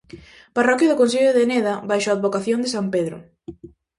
Parroquia do concello de Neda baixo a advocación de san Pedro.